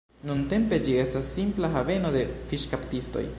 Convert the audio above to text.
Nuntempe ĝi estas simpla haveno de fiŝkaptistoj.